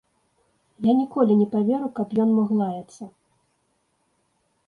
Я ніколі не паверу, каб ён мог лаяцца.